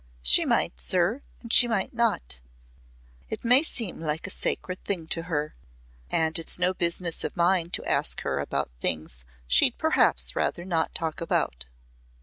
"She might, sir, and she might not. It may seem like a sacred thing to her. And it's no business of mine to ask her about things she'd perhaps rather not talk about."